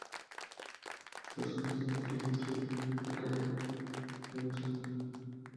Estos nidos son utilizados tradicionalmente cada uno o dos años.